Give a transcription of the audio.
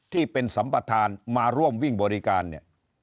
ที่เป็นสัมประธานมาร่วมวิ่งบริการเนี่ย